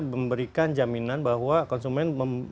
memberikan jaminan bahwa konsumen